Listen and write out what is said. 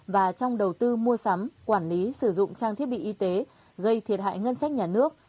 và trong đầu tư mua sắm quản lý sử dụng trang thiết bị y tế gây thiệt hại ngân sách nhà nước